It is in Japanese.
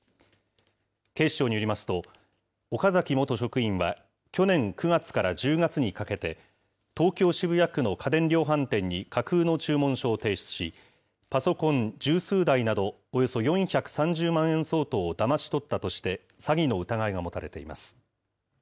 警視庁によりますと、岡崎元職員は去年９月から１０月にかけて、東京・渋谷区の家電量販店に架空の注文書を提出し、パソコン十数台など、およそ４３０万円相当をだまし取ったとして、詐欺の疑いが持たれています。